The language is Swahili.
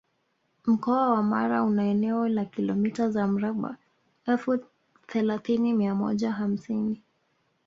Mkoa wa Mara una eneo la Kilomita za mraba elfu thelathini mia moja hamsini